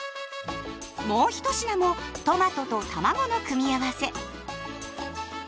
もう１品もトマトとたまごの組み合わせ。